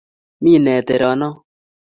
Mi nee tero no?